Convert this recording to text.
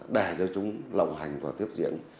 để cho chúng lộng hành và tiếp diễn